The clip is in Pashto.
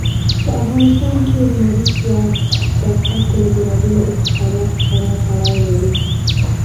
په افغانستان کې لمریز ځواک د خلکو له بېلابېلو اعتقاداتو سره تړاو لري.